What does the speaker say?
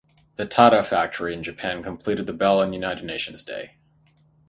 The Tada Factory in Japan completed the bell on United Nations Day.